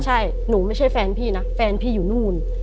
ใช่หนูไม่ใช่แฟนพี่นะแฟนพี่อยู่นู่น